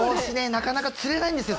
なかなか釣れないんですよ